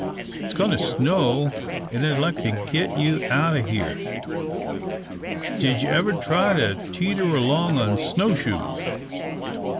It's goin' to snow, an' I'd like to git you out o' here. Did you ever try to teeter along on snow shoes?"